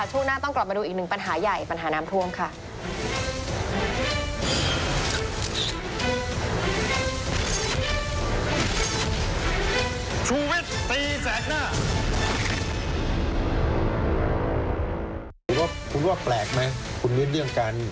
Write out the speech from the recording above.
ช่วงหน้าต้องกลับมาดูอีกหนึ่งปัญหาใหญ่ปัญหาน้ำท่วมค่ะ